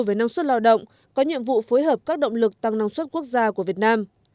về năng suất lao động có nhiệm vụ phối hợp các động lực tăng năng suất quốc gia của việt nam